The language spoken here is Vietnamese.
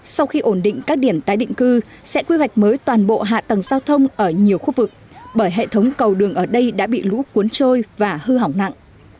sau khi ổn định các điểm tái định cư sẽ quy hoạch mới toàn bộ hạ tầng giao thông ở nhiều khu vực bởi hệ thống cầu đường ở đây đã bị lũ cuốn trôi và hư hỏng nặng